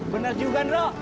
bener juga nro